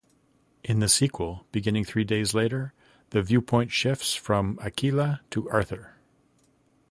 In the sequel, beginning three days later, the viewpoint shifts from Aquila to Arthur.